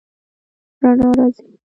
رڼا راځي